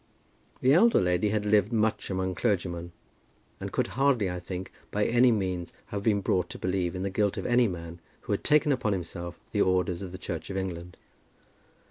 The elder lady had lived much among clergymen, and could hardly, I think, by any means have been brought to believe in the guilt of any man who had taken upon himself the orders of the Church of England.